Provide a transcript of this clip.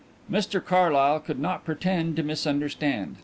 Mr Carlyle could not pretend to misunderstand.